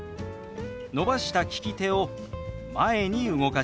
伸ばした利き手を前に動かします。